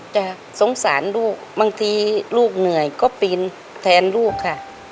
จะสงสารลูกบางทีลูกเหนื่อยก็ปีนแทนลูกค่ะ